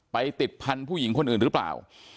ติดพันธุ์ผู้หญิงคนอื่นหรือเปล่า